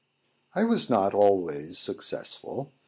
_ I was not always successful.